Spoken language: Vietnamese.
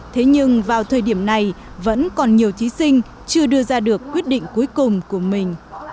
thế nhưng vào thời điểm này vẫn còn nhiều thí sinh chưa đưa ra được quyết định cuối cùng của mình